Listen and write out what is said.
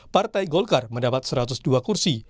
partai golkar mendapat satu ratus dua kursi